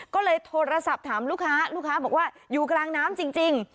ก็เลยโทรศัพท์ถามลูกค้าลูกค้าบอกว่าอยู่กลางน้ำจริง